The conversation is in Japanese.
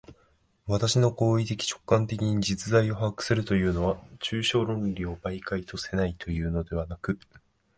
私の行為的直観的に実在を把握するというのは、抽象論理を媒介とせないというのではなく、